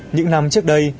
những năm trước đây